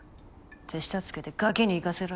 手下付けてガキに行かせろよ。